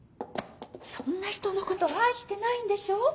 そんな人のこと愛してないんでしょ？